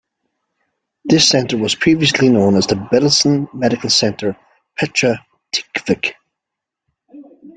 This center was previously known as the Beilinson Medical Center, Petah Tikva.